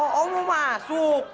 oh om mau masuk